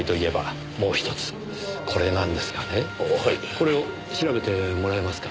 これを調べてもらえますか？